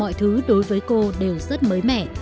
chứ đối với cô đều rất mới mẻ